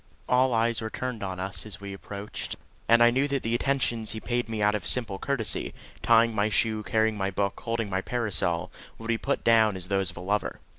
All eyes were turned on us as we approached, and I knew that the attentions he paid me out of simple courtesy tying my shoe, carrying my book, holding my parasol would be put down as those of a lover.